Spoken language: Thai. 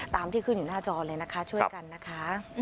ที่ขึ้นอยู่หน้าจอเลยนะคะช่วยกันนะคะ